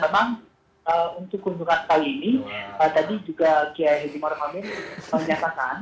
dan memang untuk kunjungan kali ini tadi juga kiai hedimor hamil menyatakan